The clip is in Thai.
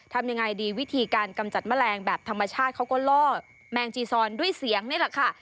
ทำยังไงดีวิธีการกำจัดแมลงแบบธรรมชาติเขาก็ล่อแมงจีซอนด้วยเสียงนี่แหละค่ะ